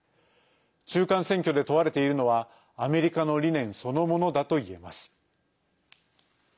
中間選挙で問われているのはアメリカの理念そのものだといえます。